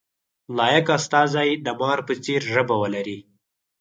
لایق استازی د مار په څېر ژبه ولري.